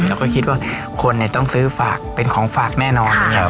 เราก็คิดว่าคนต้องซื้อฝากเป็นของฝากแน่นอน